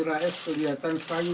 amir rais kelihatan sayu